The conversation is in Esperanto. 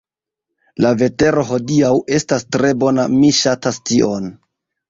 La vetero hodiaŭ estas tre bona mi ŝatas tion